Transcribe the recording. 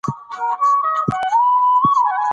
افغانستان د نورستان په اړه علمي څېړنې لري.